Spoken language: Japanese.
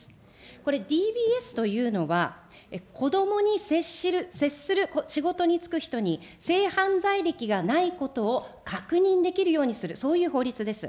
これ、ＤＢＳというのは、子どもに接する仕事に就く人に、性犯罪歴がないことを確認できるようにする、そういう法律です。